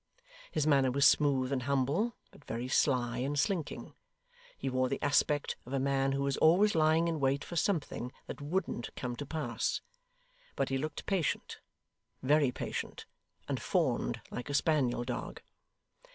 His manner was smooth and humble, but very sly and slinking. He wore the aspect of a man who was always lying in wait for something that WOULDN'T come to pass; but he looked patient very patient and fawned like a spaniel dog.